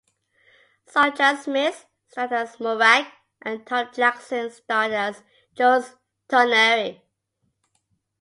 Sonja Smits starred as Morag, and Tom Jackson starred as Jules Tonnerre.